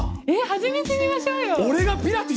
始めてみましょうよ！